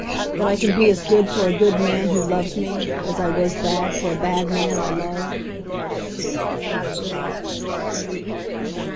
that I can be as good for a good man who loves me, as I was bad for a bad man I loved!